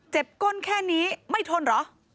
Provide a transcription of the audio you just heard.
ก้นแค่นี้ไม่ทนเหรอ